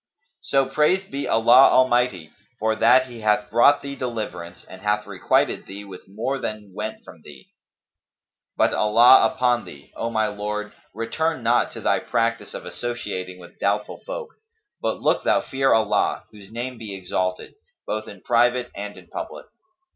So praised be Allah Almighty for that He hath brought thee deliverance and hath requited thee with more than went from thee! But Allah upon thee, O my lord, return not to thy practice of associating with doubtful folk; but look thou fear Allah (whose name be exalted!) both in private and in public."